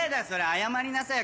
謝りなさいよ